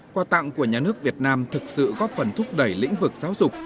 quà tặng của nhà nước việt nam thực sự góp phần thúc đẩy lĩnh vực giáo dục